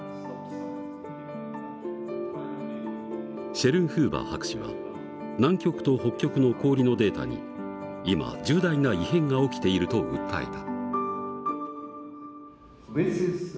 シェルンフーバー博士は南極と北極の氷のデータに今重大な異変が起きていると訴えた。